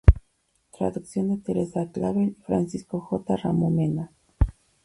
Traducción de Teresa Clavel y Francisco J. Ramos Mena.